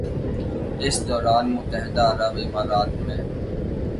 اس دوران متحدہ عرب امارات میں